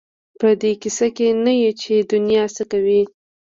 په دې کيسه کې نه یو چې دنیا څه کوي.